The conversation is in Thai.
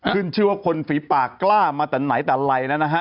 ขึ้นชื่อว่าคนฝีปากกล้ามาแต่ไหนแต่ไรแล้วนะฮะ